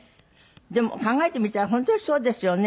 でも考えてみたら本当にそうですよね。